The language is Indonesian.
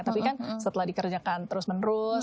tapi kan setelah dikerjakan terus menerus